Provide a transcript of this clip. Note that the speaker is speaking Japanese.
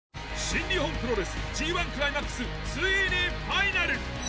新日本プロレス Ｇ１ＣＬＩＭＡＸ ついにファイナル！